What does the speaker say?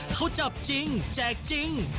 เขาจับจริงแจกจริง